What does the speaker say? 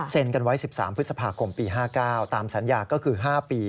กันไว้๑๓พฤษภาคมปี๕๙ตามสัญญาก็คือ๕ปี